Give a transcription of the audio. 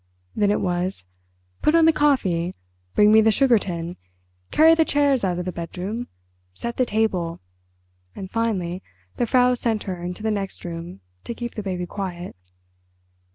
Then it was: "Put on the coffee." "Bring me the sugar tin." "Carry the chairs out of the bedroom." "Set the table." And, finally, the Frau sent her into the next room to keep the baby quiet.